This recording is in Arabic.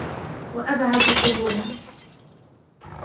وَأَبْعَدُ قَبُولًا